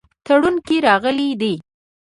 تړون کې راغلي دي.